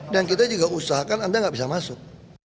dan kita juga usahakan anda nggak bisa masuk